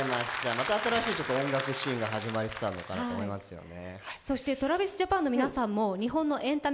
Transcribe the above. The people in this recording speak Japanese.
また新しい音楽シーンが始まりつつあるのかなと思いますよね。